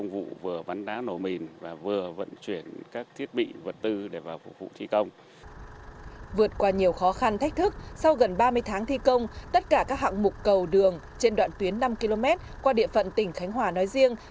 vượt qua nhiều khó khăn thách thức sau gần ba mươi tháng thi công tất cả các hạng mục cầu đường trên đoạn tuyến năm km qua địa phận tỉnh khánh hòa nói riêng